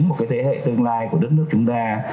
một cái thế hệ tương lai của đất nước chúng ta